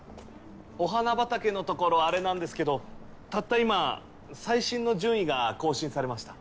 お花畑のところあれなんですけどたった今最新の順位が更新されました